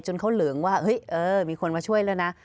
เขาเหลืองว่าเฮ้ยมีคนมาช่วยแล้วนะ